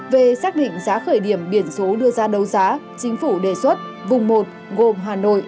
về xác định giá khởi điểm biển số đưa ra đấu giá chính phủ đề xuất vùng một gồm hà nội